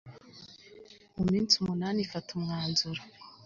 mu minsi umunani ifata umwanzuro